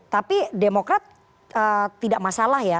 tapi demokrat tidak masalah ya